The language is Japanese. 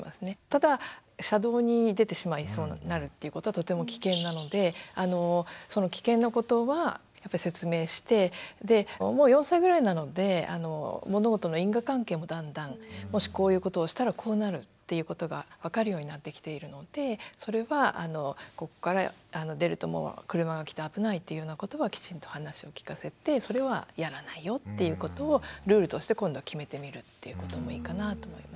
ただ車道に出てしまいそうになるっていうことはとても危険なのでその危険なことはやっぱり説明してでもう４歳ぐらいなので物事の因果関係もだんだんもしこういうことをしたらこうなるっていうことが分かるようになってきているのでそれはここから出ると車が来て危ないっていうようなことはきちんと話を聞かせてそれはやらないよっていうことをルールとして今度決めてみるっていうこともいいかなぁと思いますね。